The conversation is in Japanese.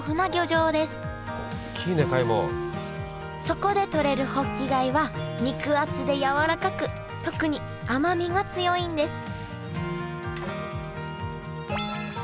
そこでとれるホッキ貝は肉厚でやわらかく特に甘みが強いんです